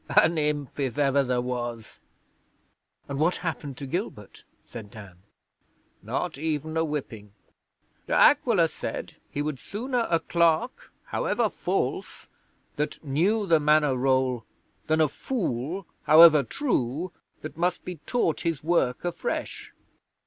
An imp, if ever there was!' 'And what happened to Gilbert?' said Dan. 'Not even a whipping. De Aquila said he would sooner a clerk, however false, that knew the Manor roll than a fool, however true, that must be taught his work afresh.